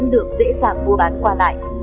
nhưng được dễ dàng mua bán quà lại